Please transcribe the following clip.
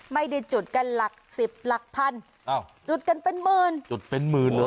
ไม่ได้จุดกันหลักสิบหลักพันอ้าวจุดกันเป็นหมื่นจุดเป็นหมื่นเลย